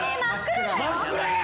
真っ暗や！